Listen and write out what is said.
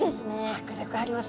迫力ありますね。